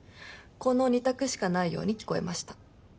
この２択しかないように聞こえました。